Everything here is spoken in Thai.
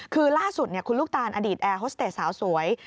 คือล่าสุดคุณลูกตานอดีตแอร์โฮสเตจสาวสวย